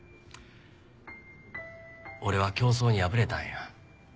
俺は競争に敗れたんや。